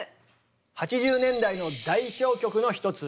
８０年代の代表曲の一つ